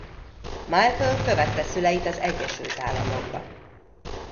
Michael követte szüleit az Egyesült Államokba.